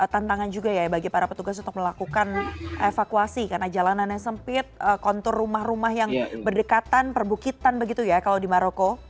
tantangan juga ya bagi para petugas untuk melakukan evakuasi karena jalanannya sempit kontur rumah rumah yang berdekatan perbukitan begitu ya kalau di maroko